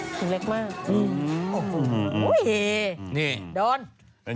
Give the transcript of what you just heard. อะไรนะไม่พูดอะไรบ้างแหละ